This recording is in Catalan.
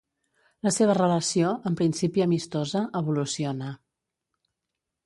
La seva relació, en principi amistosa, evoluciona.